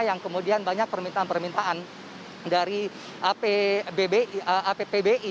yang kemudian banyak permintaan permintaan dari appbi